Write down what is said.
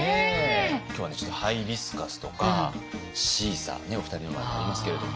今日はねちょっとハイビスカスとかシーサーねお二人の前にありますけれども。